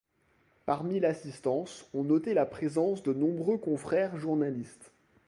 Parmi l’assistance, on notait la présence de nombreux confrères journalistes.